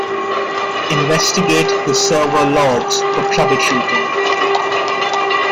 Investigate the server logs for troubleshooting.